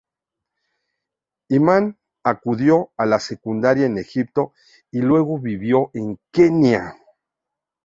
Iman acudió a la secundaria en Egipto y luego vivió en Kenia.